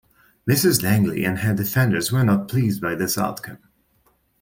Mrs Langley and her defenders were not pleased by this outcome.